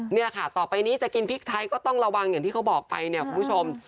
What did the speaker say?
นี่แหละค่ะต่อไปนี้จะกินพริกไทยก็ต้องระวังอย่างที่เขาบอกไปเนี่ยคุณผู้ชม